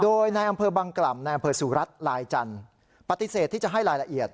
โดยนายอำเภอบังกล่ำนายอำเภอสุรัตน์ลายจันทร์ปฏิเสธที่จะให้รายละเอียด